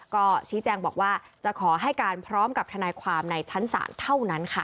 ก็ชี้แจงบอกว่าจะขอให้การพร้อมกับทนายความในชั้นศาลเท่านั้นค่ะ